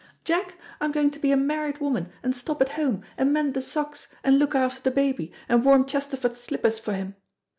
Jack, I'm going to be a married woman, and stop at home, and mend the socks, and look after the baby, and warm Chesterford's slippers for him.